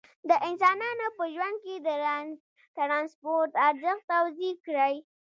د انسانانو په ژوند کې د ترانسپورت ارزښت توضیح کړئ.